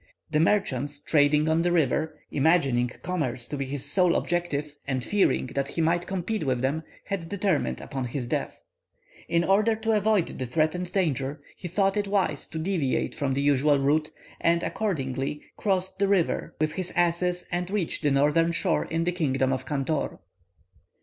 The merchants trading on the river, imagining commerce to be his sole object, and fearing that he might compete with them, had determined upon his death. "In order to avoid the threatened danger, he thought it wise to deviate from the usual route, and, accordingly, crossed the river with his asses, and reached the northern shore in the kingdom of Cantor."